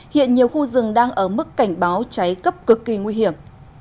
hiện nhiều khu rừng đang ở mức cảnh báo cháy cấp cực kỳ nguy hiểm